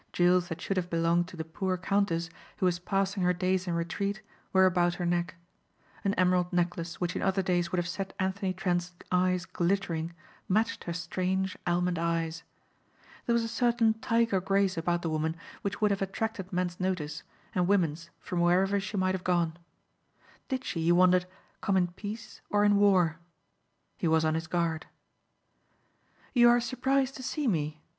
Jewels that should have belonged to the poor countess who was passing her days in retreat were about her neck. An emerald necklace which in other days would have set Anthony Trent's eyes glittering matched her strange almond eyes. There was a certain tiger grace about the woman which would have attracted men's notice and women's from wherever she might have gone. Did she, he wondered, come in peace or in war? He was on his guard. "You are surprised to see me?"